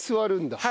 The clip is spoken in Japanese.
はい。